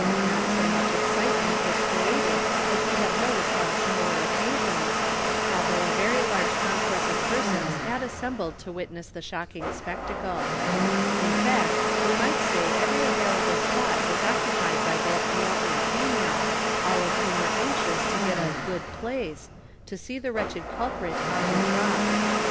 Not so much excitement was created as we have noticed on similar occasions, although a very large concourse of persons had assembled to witness the shocking spectacle. In fact, we might say every available spot was occupied by both male and female, all of whom were anxious to get a "good place," to see the wretched culprit on the drop.